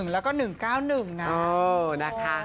๙๑๑แล้วก็๑๙๑นะ